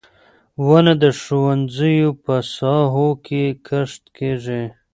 • ونه د ښوونځیو په ساحو کې کښت کیږي.